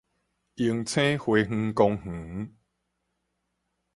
榮星花園公園